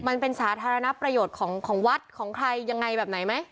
มันเป็นสาธารณประโยชน์ของวัดของใครยังไงแบบไหนไหม